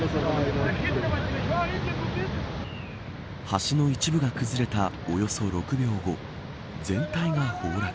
橋の一部が崩れたおよそ６秒後全体が崩落。